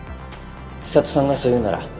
知里さんがそう言うなら。